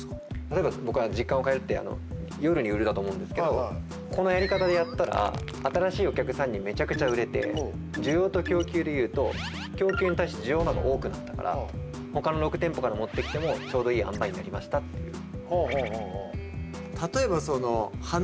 例えば時間を変えるって夜に売るだと思うんですけどこのやり方でやったら新しいお客さんにめちゃくちゃ売れて需要と供給で言うと供給に対して需要の方が多くなったからほかの６店舗が持ってきてもちょうどいい塩梅になりましたっていう。